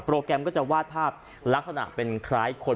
แกรมก็จะวาดภาพลักษณะเป็นคล้ายคน